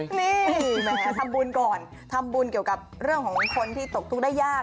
นี่แหมทำบุญก่อนทำบุญเกี่ยวกับเรื่องของคนที่ตกทุกข์ได้ยาก